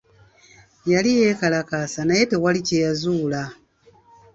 Yali yeekalakaasa naye tewali kye yazuula.